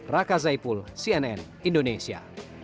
raka zaipul cnn indonesia